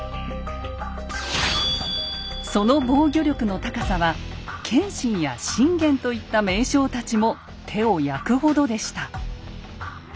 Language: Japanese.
その防御力の高さは謙信や信玄といった名将たちも手を焼くほどでした。